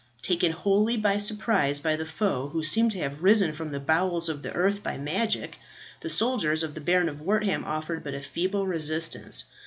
Taken wholly by surprise by the foe, who seemed to have risen from the bowels of the earth by magic, the soldiers of the Baron of Wortham offered but a feeble resistance.